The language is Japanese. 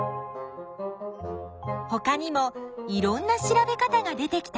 ほかにもいろんな調べ方が出てきたよ！